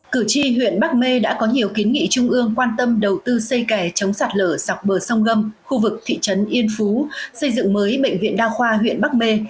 cử tri huyện bắc mê đã có nhiều kiến nghị trung ương quan tâm đầu tư xây kẻ chống sạt lở sọc bờ sông gâm khu vực thị trấn yên phú xây dựng mới bệnh viện đa khoa huyện bắc mê